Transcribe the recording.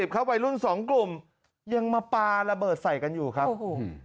เขาวัยรุ่นสองกลุ่มยังมาปลาระเบิดใส่กันอยู่ครับโอ้โห